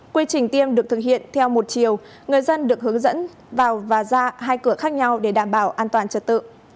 quy trình tiêm được thực hiện theo một chiều người dân được hướng dẫn vào và ra hai cửa khác nhau để đảm bảo an toàn trật tự